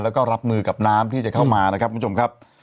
แล้วก็รับมือกับน้ำที่จะเข้ามานะครับคุณผู้ชมครับ